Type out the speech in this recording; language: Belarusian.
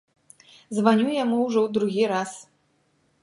Званю яму ўжо другі раз.